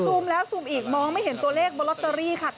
แล้วซูมอีกมองไม่เห็นตัวเลขบนลอตเตอรี่ค่ะ